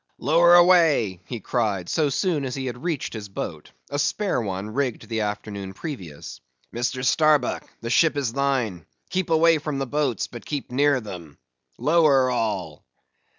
"Lower away," he cried, so soon as he had reached his boat—a spare one, rigged the afternoon previous. "Mr. Starbuck, the ship is thine—keep away from the boats, but keep near them. Lower, all!"